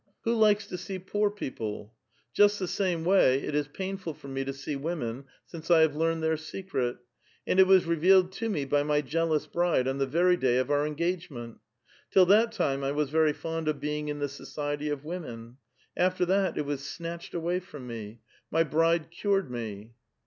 Who likes to see poor people ? Just the same way, it is painful for me to see women since I have learned their secret. And it was revealed to me by my jealous bride on the very day of our engagement. Till that time I was very fond of being in the society of women. After that, it was snatched away from me. My bride cured me."